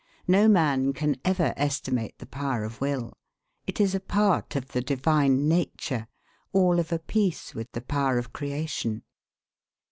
No man can ever estimate the power of will. It is a part of the divine nature, all of a piece with the power of creation.